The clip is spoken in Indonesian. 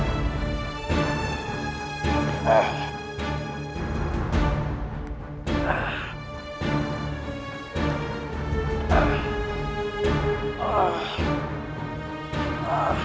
kian santang tidak mungkin membiarkanku lolos